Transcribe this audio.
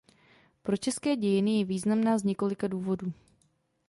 Pro české dějiny je významná z několika důvodů.